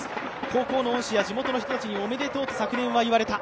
高校の恩師や地元の人たちに、おめでとうと昨年は言われた。